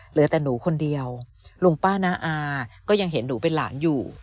เหลือแต่หนูคนเดียวลุงป้าน้าอาก็ยังเห็นหนูเป็นหลานอยู่